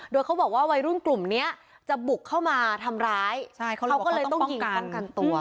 โดยเขาบอกว่าวัยรุ่นกลุ่มเนี้ยจะบุกเข้ามาทำร้ายเขาก็เลยต้องมีการป้องกันตัว